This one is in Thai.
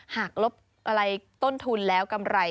กรบอะไรต้นทุนแล้วกำไร